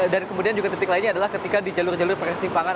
dan kemudian juga titik lainnya adalah ketika di jalur jalur perisi pangan